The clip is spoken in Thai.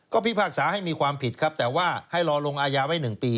ก็พิพากษาให้มีความผิดครับแต่ว่าให้รอลงอายาไว้๑ปี